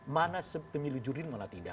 mana pemilu jurdil mana tidak